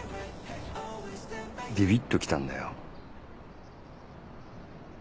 ビビっと来たんだよ。